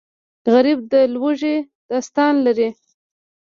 غریب د لوږې داستان لري